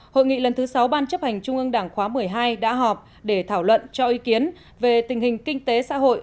hội nghị lần thứ sáu ban chấp hành trung ương đảng khóa một mươi hai đã họp để thảo luận cho ý kiến về tình hình kinh tế xã hội